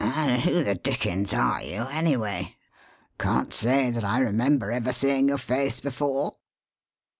And who the dickens are you, anyway? Can't say that I remember ever seeing your face before."